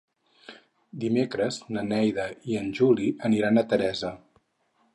Dimecres na Neida i en Juli aniran a Teresa.